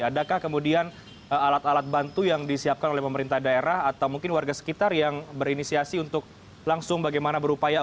adakah kemudian alat alat bantu yang disiapkan oleh pemerintah daerah atau mungkin warga sekitar yang berinisiasi untuk langsung bagaimana berupaya